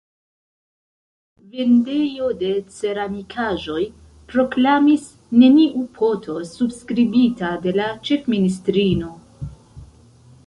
Vendejo de ceramikaĵoj proklamis: “Neniu poto subskribita de la ĉefministrino.